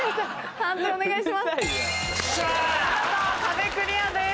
判定お願いします。